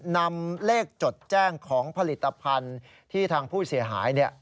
นำเลขจดแจ้งของผลิตภัณฑ์ที่ทางผู้เสียหาย